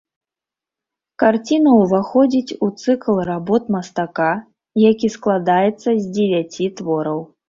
Карціна ўваходзіць у цыкл работ мастака, які складаецца з дзевяці твораў.